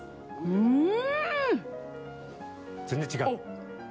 うん！